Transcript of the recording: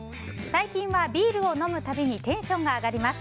最近はビールを飲むたびにテンションが上がります。